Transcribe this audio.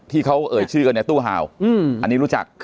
ที่เขาเอ่ยชื่อกันในตู้ห่าวอันนี้รู้จัก